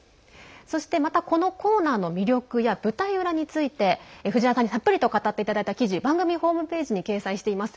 そして、またコーナーの魅力や舞台裏について藤原さんにたっぷりと語っていただいた記事番組ホームページに掲載しています。